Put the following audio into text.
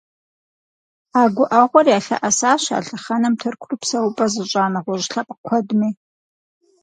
А гуӀэгъуэр ялъэӀэсащ а лъэхъэнэм Тыркур псэупӀэ зыщӀа нэгъуэщӀ лъэпкъ куэдми.